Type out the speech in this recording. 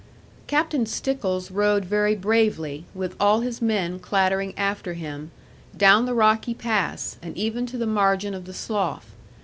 Captain Stickles rode very bravely, with all his men clattering after him, down the rocky pass, and even to the margin of the slough.